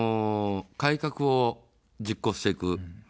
改革を実行していく。